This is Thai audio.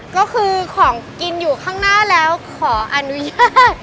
ก็คือของกินอยู่ข้างหน้าแล้วขออนุญาต